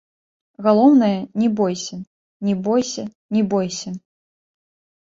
Галоўнае, не бойся, не бойся, не бойся.